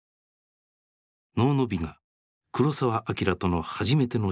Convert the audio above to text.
「能の美」が黒澤明との初めての仕事だった。